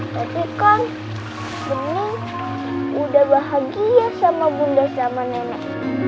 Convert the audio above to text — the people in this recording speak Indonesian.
tapi kan seneng udah bahagia sama bunda sama nenek